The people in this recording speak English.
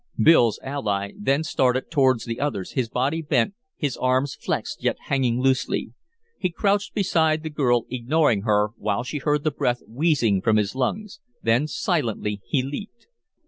Bill's ally then started towards the others, his body bent, his arms flexed yet hanging loosely. He crouched beside the girl, ignoring her, while she heard the breath wheezing from his lungs; then silently he leaped.